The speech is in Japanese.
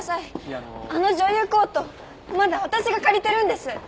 あの女優コートまだ私が借りてるんです。